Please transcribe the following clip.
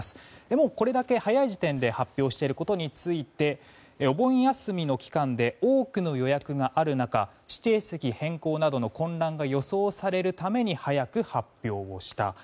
もうこれだけ早い時点で発表していることについてお盆休みの期間で多くの予約がある中指定席変更などの混乱が予想されるために早く発表をした。